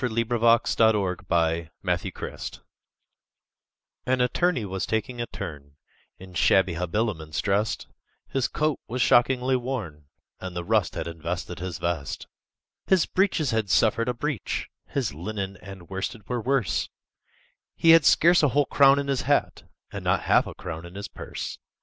THE BRIEFLESS BARRISTER A BALLAD N Attorney was taking a turn, In shabby habiliments drest; His coat it was shockingly worn, And the rust had invested his vest. His breeches had suffered a breach, His linen and worsted were worse; He had scarce a whole crown in his hat, And not half a crown in his purse.